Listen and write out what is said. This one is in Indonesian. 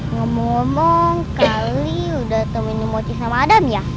ngomong ngomong kali udah temenin motif sama adam ya